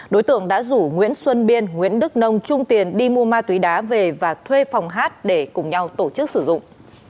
đối tượng đã rủ nguyễn xuân biên nguyễn đức nông chung tiền đi mua ma túy đá về và thuê phòng hát để cùng nhau tổ chức sử dụng